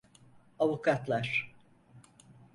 Avukatlar…